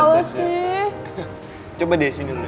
masih ada bekas nih ya